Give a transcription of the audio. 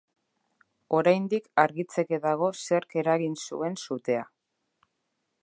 Oraindik argitzeke dago zerk eragin zuen sutea.